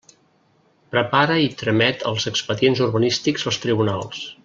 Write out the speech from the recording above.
Prepara i tramet els expedients urbanístics als tribunals.